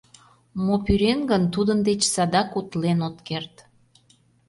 — Мо пӱрен гын, тудын деч садак утлен от керт.